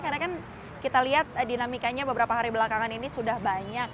karena kan kita lihat dinamikanya beberapa hari belakangan ini sudah banyak